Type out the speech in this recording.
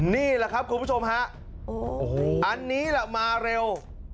นี่แหละครับคุณผู้ชมฮะโอ้โหอันนี้แหละมาเร็ว